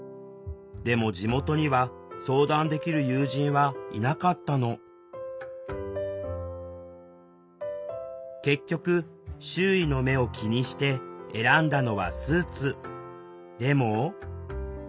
でも地元には相談できる友人はいなかったの結局周囲の目を気にして選んだのはスーツ。